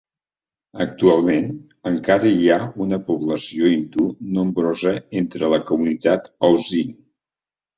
Actualment, encara hi ha una població hindú nombrosa entre la comunitat osing.